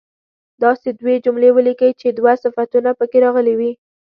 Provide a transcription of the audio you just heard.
داسې دوې جملې ولیکئ چې دوه صفتونه په کې راغلي وي.